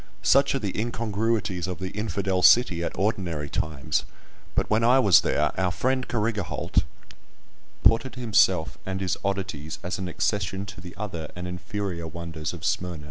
Such are the incongruities of the "infidel city" at ordinary times; but when I was there, our friend Carrigaholt had imported himself and his oddities as an accession to the other and inferior wonders of Smyrna.